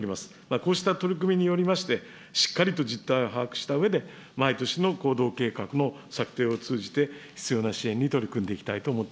こうした取り組みによりまして、しっかりと実態を把握したうえで、毎年の行動計画の策定を通じて、必要な支援に取り組んでいきたい